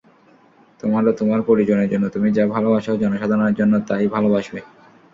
তোমার ও তোমার পরিজনের জন্য তুমি যা ভালবাস, জনসাধারণের জন্য তা-ই ভালবাসবে।